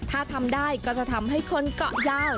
ถ้าทำได้ก็จะทำให้คนเกาะยาว